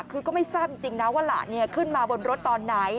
คือก็ไม่ทราบจริงนะว่าหลานขึ้นมาบนรถตอนไหน